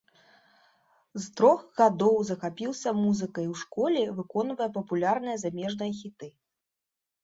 З трох гадоў захапіўся музыкай, у школе выконвае папулярныя замежныя хіты.